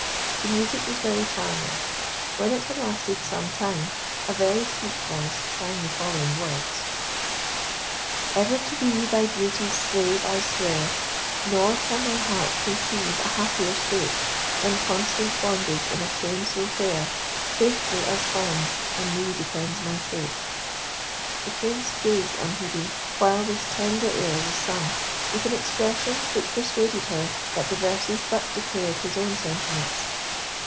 The music was very charming; when it had lasted some time, a very sweet voice sang the following words: Ever to be thy beauty's slave I swear, Nor can my heart conceive a happier state Than constant bondage in a chain so fair Faithful as fond on thee depends my fate. The Prince gazed on Hebe while this tender air was sung, with an expression which persuaded her that the verses but declared his own sentiments.